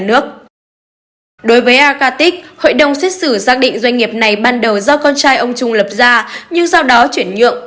đối với aktic hội đồng xét xử xác định doanh nghiệp này ban đầu do con trai ông trung lập ra nhưng sau đó chuyển nhượng